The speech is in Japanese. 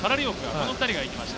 この２人が行きました。